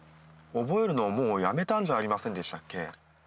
覚えるのもうやめたんじゃありませんでしたっけ？